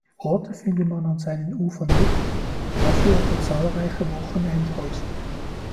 Orte findet man an seinen Ufern nicht, dafür aber zahlreiche Wochenendhäuser.